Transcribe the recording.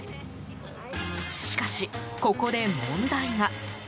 しかし、ここで問題が。